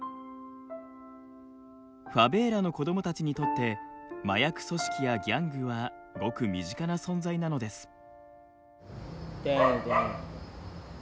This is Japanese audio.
ファベーラの子どもたちにとって麻薬組織やギャングはごく身近な存在なのです。